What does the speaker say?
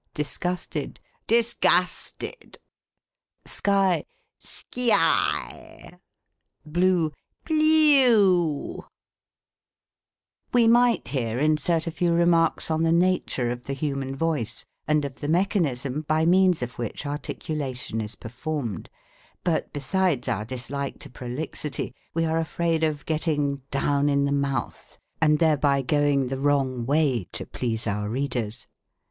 Disgusted, " disgasted." Sky, " ske — eye." Blue, "ble— ew." We might here insert a few remarks on the nature 14 THE COMIC ENGLISH GRAMMAR. of the human voice, and of the mechanism by means of which articulation is performed ; but besides our dislike to prolixity, we are afraid of getting down in the mouth, and thereby going the wrong way to please our readers.